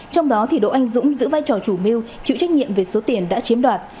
trong đó đỗ anh dũng giữ vai trò chủ mưu chịu trách nhiệm về số tiền đã chiếm đoạt